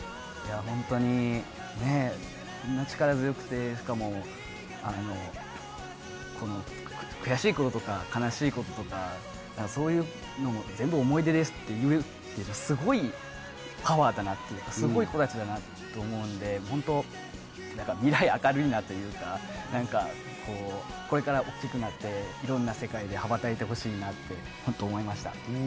ホントにこんな力強くてしかも悔しいこととか悲しいこととかそういうのも全部思い出ですって言えるってすごいパワーだなっていうかすごい子たちだなと思うんでホント未来明るいなというか何かこれから大きくなっていろんな世界で羽ばたいてほしいなってホント思いました。